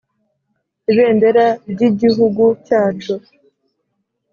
Ibendera ry’ igihugu cyacu